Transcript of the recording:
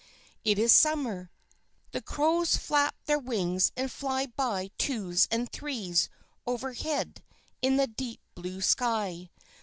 It is summer. The crows flap their wings and fly by twos and threes overhead in the deep blue sky.